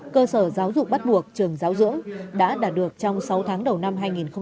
cơ sở giáo dục bắt buộc trường giáo dưỡng đã đạt được trong sáu tháng đầu năm hai nghìn hai mươi